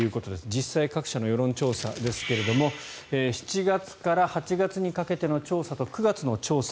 実際に各社の世論調査ですが７月から８月にかけての調査と９月の調査